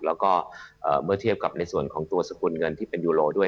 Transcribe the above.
แล้วก็เมื่อเทียบกับในส่วนของตัวสกุลเงินที่เป็นยูโรด้วย